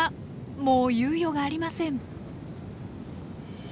もう猶予がありません。